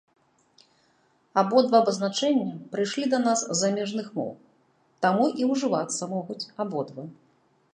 Абодва абазначэння прыйшлі да нас з замежных моў, таму і ўжывацца могуць абодва.